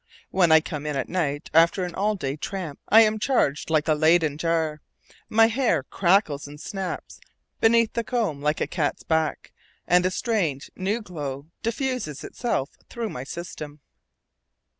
When I come in at night after an all day tramp I am charged like a Leyden jar; my hair crackles and snaps beneath the comb like a cat's back, and a strange, new glow diffuses itself through my system.